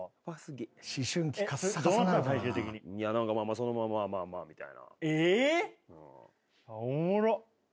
そのまま「まあまあまあ」みたいな。